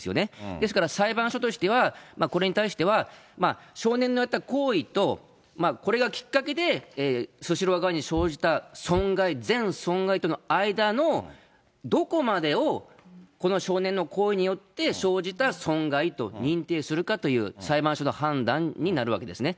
ですから裁判所としては、これに対しては少年のやった行為と、これがきっかけでスシロー側に生じた損害、全損害との間のどこまでを、この少年の行為によって生じた損害と認定するかという裁判所の判断になるわけですね。